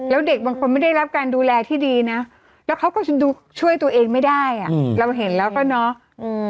แล้วเด็กบางคนไม่ได้รับการดูแลที่ดีนะแล้วเขาก็ยังดูช่วยตัวเองไม่ได้อ่ะเราเห็นแล้วก็เนาะ